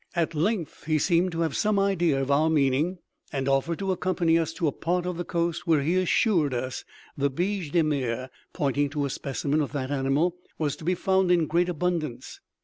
At length he seemed to have some idea of our meaning, and offered to accompany us to a part of coast where he assured us the biche de mer (pointing to a specimen of that animal) was to be found in great abundance.